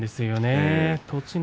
栃ノ